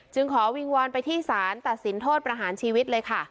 ขอวิงวอนไปที่สารตัดสินโทษประหารชีวิตเลยค่ะ